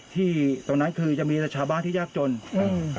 ที่ตรงนั้นคือจะมีแต่ชาวบ้านที่ยากจนอืม